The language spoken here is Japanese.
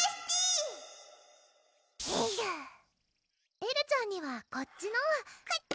エルちゃんにはこっちのこっち！